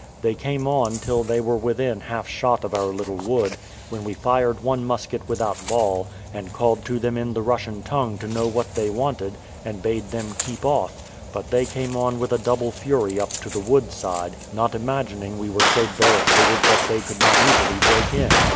They came on till they were within half shot of our little wood, when we fired one musket without ball, and called to them in the Russian tongue to know what they wanted, and bade them keep off; but they came on with a double fury up to the wood side, not imagining we were so barricaded that they could not easily break in.